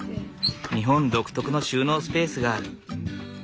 日本独特の収納スペースがある。